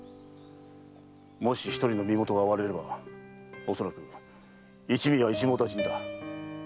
もし一人の身元が割れれば恐らく一味は一網打尽だ。